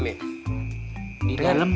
di dalam nggak kedengeran apa apa bos